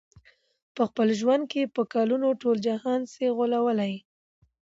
په خپل ژوند کي په کلونو، ټول جهان سې غولولای